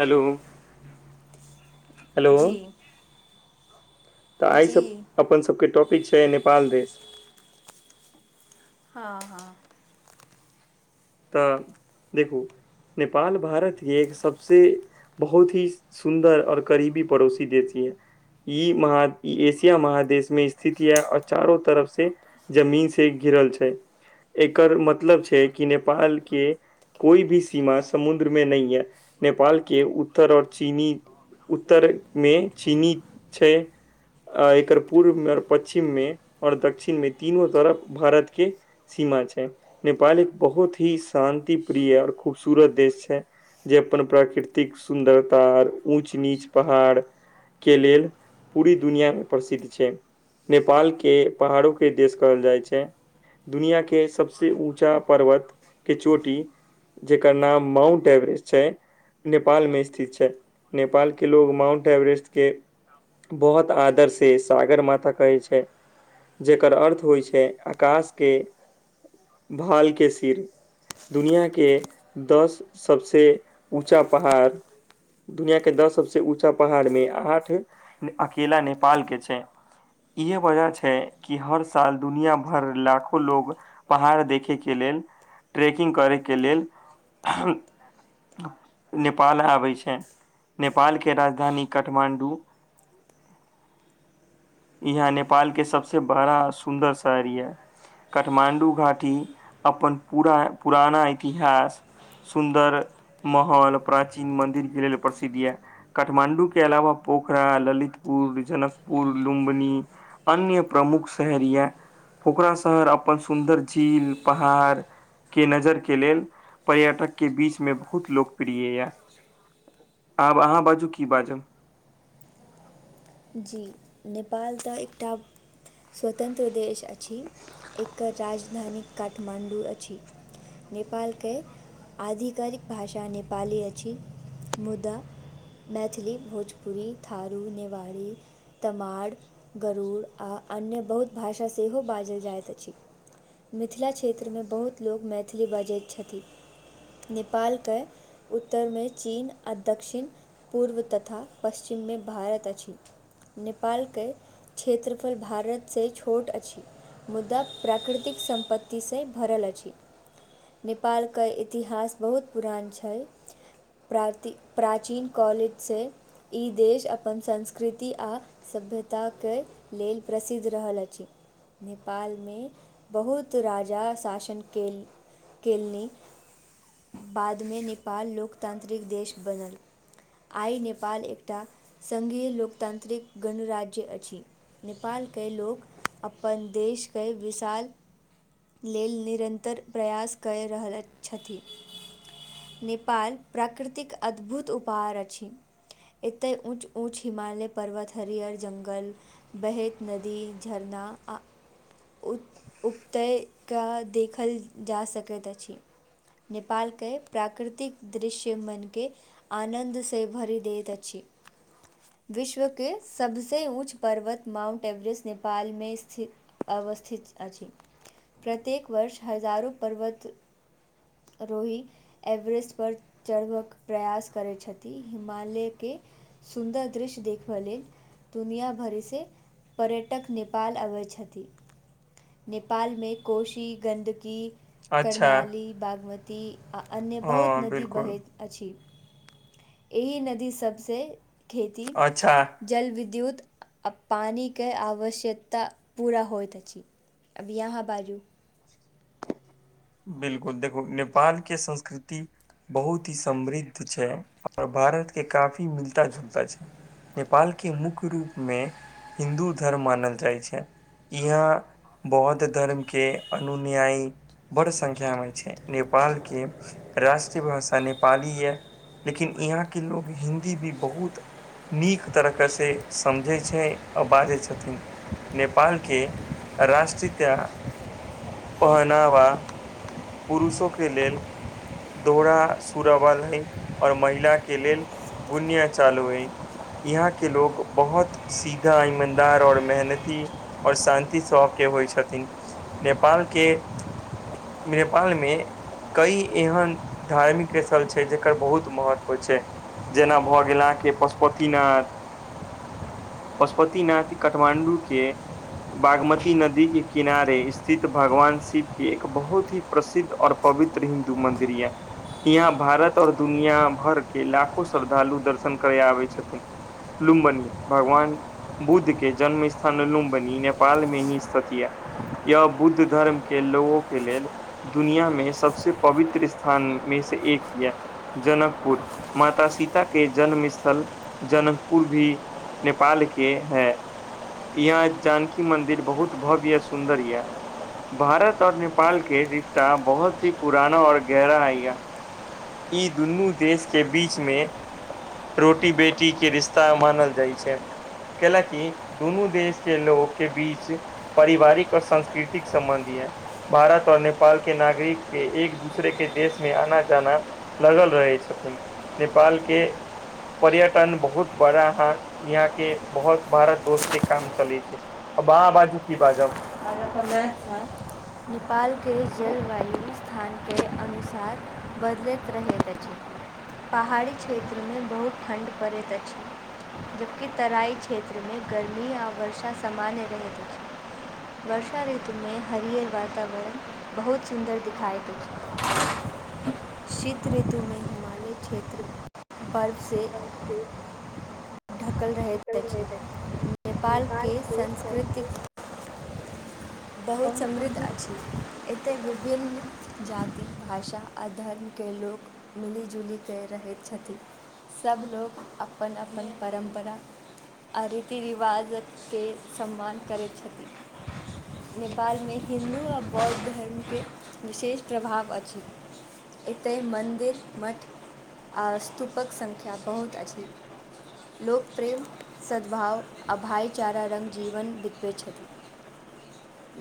Hello hello. जी तऽ आइ सब जी अपन सभके टॉपिक छै नेपाल देश। हँ हँ। तऽ देखू नेपाल भारतके सबसँ बहुत हीं। सुन्दर और करीबी पड़ोसी देश यऽ। ई मह एशिया महादेश में स्थिति यै आओर चारो तरफ से। जमीन से घिरल छै एकर मतलब छै कि नेपाल के। कोइ भी सीमा समुद्रमे नहि ये नेपाल के उत्तर आओर चीनी। उत्तर मे चीनी छै। आ एकर पूर्व मे आओर पश्चिम में आओर दक्षिण मे तीनो तरफ भारत के। सीमा छै नेपाल एक बहुत ही शान्तिप्रिय आऔर खूबसूरत देश छै। जे अपन प्राकृतिक सुन्दरता आओर ऊँच नीच पहाड़। के लेल पूरी दुनियामे प्रसिद्ध छै। नेपालके पहाड़ो के देश कहल जाइत छै। दुनिआके सबसँ ऊँचा पर्वत। के चोटी जेकर नाम माउंट एवरेस्ट छै नेपाल मे स्थित छै। नेपालके लोक माउन्ट एवरेस्टके। बहुत आदर से सागर मथा कहै छै। जेकर अर्थ होइ छै आकाश के भालके सिर। दुनिया के दस सबसँ ऊँचा पहाड़। दुनिया के दस सबसे ऊँचा पहाड़ मे आठ अकेला नेपाल के छै। इहे वजह छै कि हर साल दुनिया भर लाखो लोग। पहाड़ देखैके लेल। ट्रेकिंग करैके लेल। नेपाल आबैत छै- नेपालके राजधानी काठमाण्डू। यहाँ नेपाल के सबसे बड़ा सुन्दर शहर य- काठमांडू घाटी। अपन पूरा पुराना इतिहास। सुन्दर महल प्राचीन मंदिर के लेल प्रसिद्ध ये। काठमांडू के अलावा पोखरा ललितपुर जनकपुर। लुम्बनी अन्य प्रमुख शहर यऽ। ओकरा शहर अपन सुन्दर झील पहाड़। के नजर के लेल पर्यटक के बीच मे बहुत लोकप्रिय य। आब अहाँ बाजू की बाजब। जी नेपाल तऽ एकटा। स्वतंत्र देश अछि एकर राजधानी काठमाण्डू अछि। नेपालके। आधिकारिक भाषा नेपाली अछि मुदा। मैथिली भोजपुरी थारू नेवाड़ी। तमाड़ गरुड़ आ अन्य बहुत भाषा सेहो बाजल जाइत अछि। मिथिला क्षेत्रमे बहुत लोक मैथिली बाजैत छथि नेपालके उत्तरमे चीन आ दक्षिण पूर्व तथा पश्चिममे भारत अछि। नेपालके क्षेत्रफल भारत से छोट अछि। मुदा प्राकृतिक सम्पत्ति से भरल अछि। नेपालके इतिहास बहुत पुरान छैय। प्राची प्राचीन काल सँ ई देश अपन संस कृति आ सभ्यताके लेल प्रसिद्ध रहल अछि। नेपालमे बहुत राजा शासन केल केलनि बादमे नेपाल लोकतांत्रिक देश बनल। आइ नेपाल एकटा संघीय लोकतांत्रिक गणराज्य अछि। नेपालके लोक अपन देशके विशाल लेल निरन्तर प्रयास कऽ रहल छथि नेपाल प्राकृतिक अद्भुत उपहार अछि एतय ऊंच ऊंच हिमालय पर्वत हरियर जंगल बहेत नदी झरना आ उ उतय कऽ देखल जा सकैत अछि। नेपालके प्राकृतिक दृश्य मन के आनन्द से भरि देैत अछि। विश्वके सबसँ ऊँच पर्वत माउन्ट एवरेस्ट नेपालमे स्थित अवस्थित अछि प्रत्येक वर्ष हजारों पर्वत रोही एवरेस्टपर चढ़बक प्रयास करैत छथि हिमालयके सुन्दर दृश्य देखय लेल दुनिया भरिसँ पर्यटक नेपाल अबैत छथि। नेपालमे कोशी गन्दगी अच्छा करनाली बागमती ती आ अन्य बहुत हँ नदी बिल्कुल बहैत अछि एहि नदी सभ से खेती अच्छा जल विद्युत आ पानिके आवश्यकता पूरा होइत अछि। अब यहा बाजू। बिलकुल देखू नेपाल के संस्कृति बहुत ही समृद्ध छैय और भारत के काफी मिलता जुलता छैय। नेपाल के मुख्य रूप मे हिन्दू धर्म मानल जाइ छैय। यहाँ बौद्ध धर्म के अनुन्याई बड़ संख्या मे छैय नेपाल के राष्ट्रीय भाषा नेपाली ये। लेकिन यहाँ के लोग हिन्दी भी बहुत नीक तरीकासे समझै छैय आ बाजै छथिन। नेपाल के राष्ट्रीता पहनावा पुरुषों के लेल दोहरा सरवल है और महिला के लेल गुनिया चालू हय। यहाँ के लोग बहुत सीधा ईमानदार और मेहनती और शान्ति स्व के होइ छथिन नेपाल के नेपाल मे कई एहन धार्मिक स्थल छैय जकर बहुत महत्व छैय। जेना भऽ गेल अहाँके पशुपतिनाथ पशुपतिनाथ काठमाण्डू के बागमती नदी के किनारे स्थित भगवान शिव के एक बहुत की प्रसिद्ध औश्र पवित्र हिन्दू मंन्दिर ये। यहाँ भारत और दुनिया भर के लाखो श्रद्धालु दर्शन करय आबे छथिन। लुम्बन भगवान बुद्ध के जन्म स्थान लुम्बनी नेपाल मे ही स्थापित ये। यह बुद्ध धर्म के लोगों के लेल दुनियामे सबसे पवित्र स्थान मे से एक ये। जनकपुर, माता सीता के जन्म स्थल जनकपुर भी नेपाल के हैं। यहां जानकी मंदिर बहुत भव्य या सुदर ये। भारत और नेपाल के रिश्ता बहुत ही पुराना और गहरा हइ या। ई दुनू देश के बीच मे रोटी बेटी के रिश्ता मानल जाइ छै। कैलाकी दुनू देश के लोग के बीच पारिवारिक आ सांस्कृतिक संबन्ध ये। भारत और नेपाल के नागरिक के एक दूसरे के देश मे आना जाना लागल रहै छथिन, नेपाल के पर्यटन बहुत बड़ा हन, यहाँ के बहुत बारा दोष के काम चलै छै। आब अहां बाजू की बाजब। [unintelligible] नेपालके जलवायु स्थानके अनुसार बदलैत रहैत अछि। पहाड़ी क्षेत्रमे बहुत ठण्ड पड़ैत अछि। जबकि तराई क्षेत्रमे गर्मी आ वर्षा सामान्य रहैत अछि। वर्षा ऋतुमे हरियर वातावरण बहुत सुन्दर दिखाई दैछ। [inaudible] शीत ऋतुमे हिमालय क्षेत्र बर्फ से [inaudible] ढकल रहैत अछि, नेपालके सांस्कृतिक बहुत समृद्ध अछि। एतय विभिन्न जाति, भाषा आ धर्मके लोक मिलि जुलि क रहै छथि सब लोग अपन अपन परम्परा आ रीति रिवाजके सम्मान करैत छथि। नेपालमे हिन्दू आ बौद्ध धर्मके विशेष प्रभाव अछि। एतय मन्दिर, मठ आ स्तूपक संख्या बहुत अछि। लोक प्रेम, सद्भाव आ भाइचारा संग जीवन बितवै छथि।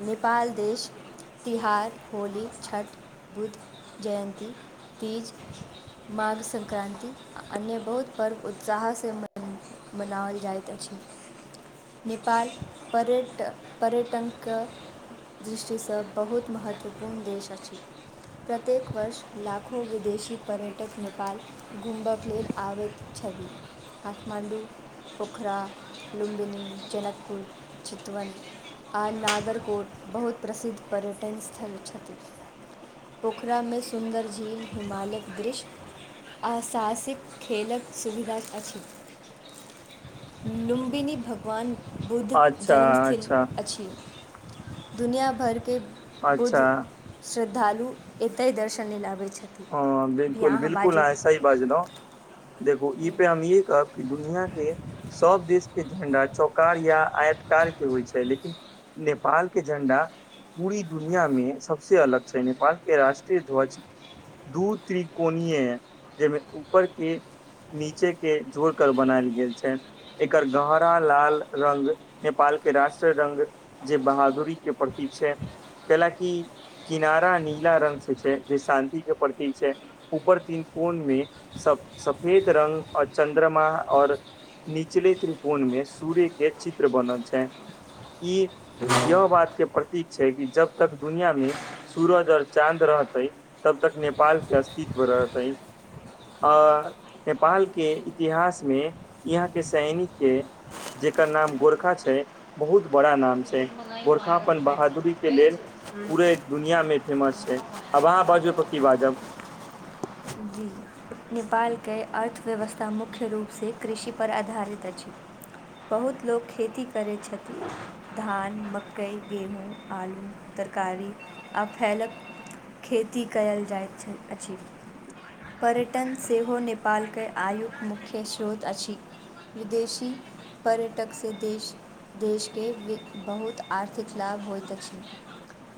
नेपाल देश तिहार, होली, छठ, बुद्ध जयन्ती तीज, माघ संक्रान्ति आ अन्य बहुत पर्व उत्साहसँ मन मनाओल जाइत अछि, नेपाल पर्यटक पर्यटनके दृष्टिसँ बहुत महत्वपूर्ण देश अछि। प्रत्येक वर्ष लाखों विदेशी पर्यटक नेपाल घुमबाक लेल अबैत छथि, काठमाण्डू। पोखरा, लुम्बनी, जनकपुर, चितवन आ नादरकोट बहुत प्रसिद्ध पर्यटन स्थल छथि। पोखरामे सुन्दर झील हिमालयक दृश्य, आ साहसिक खेलक सुविधा अछि। लुम्बिनी भगवान बुद्ध अच्छा जन्म अच्छा स्थली छै दुनिया भर के अच्छा बुद्ध श्रद्धालु एतय दर्शनी लय आबैत छथि। हँ अभी बिलकुल अहाँ बिलकुल बाजू। अहाॅं ई सही बाजलौं। देखो ई पे हम इहे कहब कि दुनिया के सभ देश के झण्डा चौकार या आयतकार के होइ छै लेकिन नेपाल के झण्डा पूरी दुनिया मे सबस अलग छै नेपाल के राष्ट्रीय ध्वज दू त्रिकोणिये जहिमे ऊपरके नीचे के जोर कर बनायल गेल छै। एकर गहरा लाल रंग नेपाल के राष्ट्रीय रंग जे बहादुरी के प्रतिक छै कैले की किनारा नीला रंग से छै जे शान्ति के प्रतीक छै ऊपर तीन कोनमें स सफेद रंग और चन्द्रमा और निचले त्रिकोणमे सूर्य के चित्र बनल छैन ई यह बात के प्रतीक छै कि जब तक दुनिया में सूरज आओर चाँद रहतै तब तक नेपाल के अस्तित्व रहतै। आऽ नेपाल के इतिहास मे इहाँ के सैनिक के जेकर नाम गोरखा छै बहुत बड़ा नाम छै। गोरखा अपन बहादुरी के लेल पूरे दुनियामे फेमस छैै आब आहाँ बाजू हौ की बाजब जी नेपालके अर्थव्यवस्था मुख्य रूपसे कृषिपर आधारित अछि बहुत लोक खेती करैत छथि धान, मकई, गेहूँ, आलू तरकारी आ फलक खेती कयल जाइत छै अछि पर्यटन सेहो नेपालके आयुक मुख्य स्रोत अछि विदेशी पर्यटक से देश देशके वित बहुत आर्थिक लाभ होइत अछि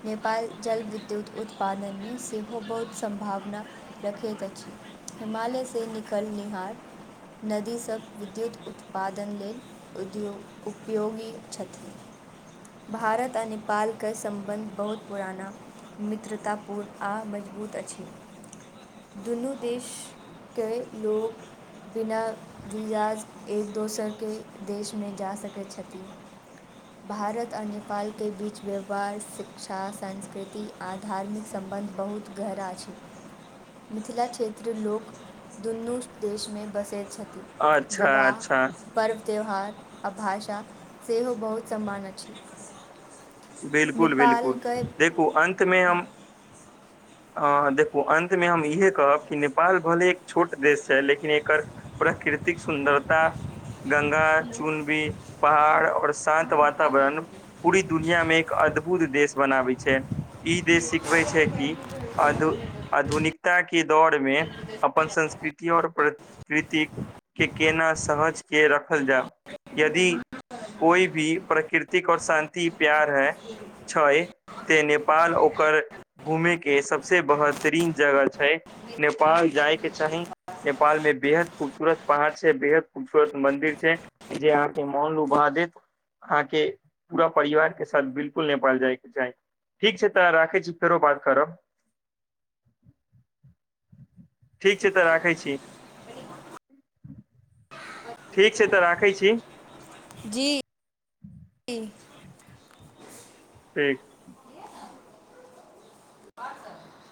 नेपाल जल विद्युत उत्पादनमे सेहो बहुत सम्भावना रखैत अछि, हिमालय से निकलनिहार नदी सभ विद्युत उत्पादन लेल उद्योग उपयोगी छथि भारत आ नेपालके सम्बन्ध बहुत पुराना मित्रतापूर्ण आ मजबूत अछि दुनू देशके लोग बिना वीजाज एक दोसर के देशमे जा सकैत छथि भारत आर नेपाल के बीचमे व्यवहार, शिक्षा, संस्कृति आ धार्मिक सम्बन्ध बहुत गहरा छै मिथिला क्षेत्र क लोक दुनू देशमे बसैत छथिन अच्छा विवाह अच्छा पर्व त्यौहार आ भाषा सेहो बहुत समान अछि बिलकुल नेपाल बिलकुल कए देखू अंतमे हम अ देखू अन्तमे हम इएह कहब कि नेपाल भले एक छोट देश छै लेकिन एकर प्राकृतिक सुन्दरता, गंगा चुनबी पहाड़ और शान्त वातावरण पूरी दुनियामे एक अद्भुत देश बनाबै छैय। ई देश सिखबे छैय कि आधु आधुनिकताके दौरमे अपन संस्कृति और प्र कृतिक के केना सहज के रखल जाउ यदि कोइ भी प्रकृतिक और शान्तति प्यार है क्षय ते नेपाल ओकर घूमे के सबसे बहतरीन जगह छैय। नेपाल जायके चाही। नेपाल में बेहद खूबसूरत पहाड़ छैय बेहद खूबसूरत मंदिर छैय। जे अहाँके मौन लुभा देत अहाँके पूरा परिवार के साथ बिलकुल नेपाल जायके चाही ठीक छैय तऽ राखै छी फेरो बात करब। ठीक छैय तऽ राखै छी। ठीक छैय तऽ राखै छी। जी। [inaudible] की ठीक। [unintelligible]